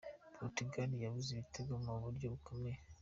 Portugal yabuze igitego mu buryo bukomeye .